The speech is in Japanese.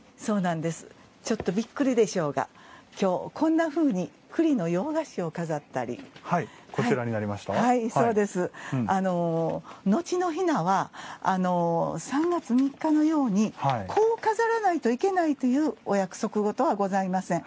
びっくりでしょうが今日、こんなふうに栗の洋菓子を飾ったり後の雛は、３月３日のようにこう飾らないといけないというお約束事はございません。